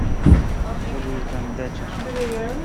"To był tandeciarz."